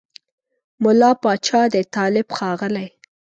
مُلا پاچا دی طالب ښاغلی